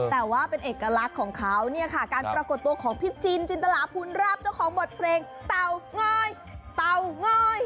แต่ว่าเป็นเอกลักษณ์ของเขาเนี่ยค่ะการปรากฏตัวของพี่จินจินตลาภูนราบเจ้าของบทเพลงเตางอยเตาง้อย